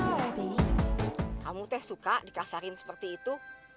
tapi kamu teh suka dikasarin seperti itu